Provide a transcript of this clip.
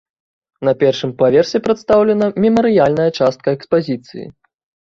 На першым паверсе прадстаўлена мемарыяльная частка экспазіцыі.